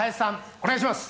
お願いします！